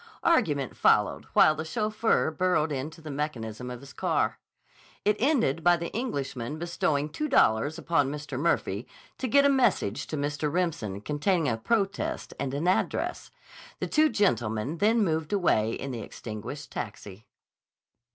Argument followed while the chauffeur burrowed into the mechanism of his car. It ended by the Englishman bestowing two dollars upon Mr. Murphy to get a message to Mr. Remsen containing a protest and an address. The two gentlemen then moved away in the extinguished taxi.